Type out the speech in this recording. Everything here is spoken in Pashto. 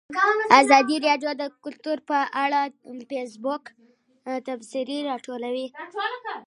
ازادي راډیو د کلتور په اړه د فیسبوک تبصرې راټولې کړي.